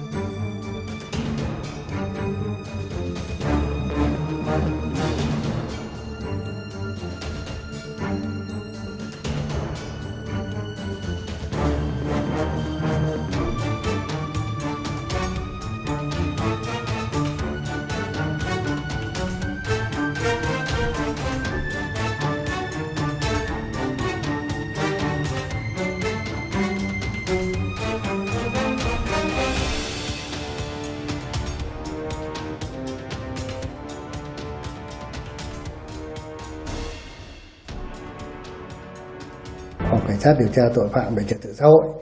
đại tá dương xuân quý trưởng phòng cảnh sát điều tra tội phạm về trật tự xã hội